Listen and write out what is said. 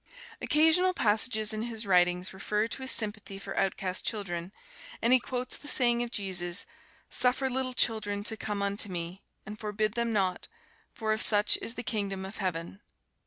Occasional passages in his writings refer to his sympathy for outcast children, and he quotes the saying of Jesus, "Suffer little children to come unto me, and forbid them not, for of such is the Kingdom of Heaven."